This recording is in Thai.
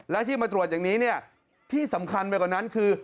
และที่มาตรวจอย่างนี้เนี่ยที่สำคัญไปกว่านั้นคือ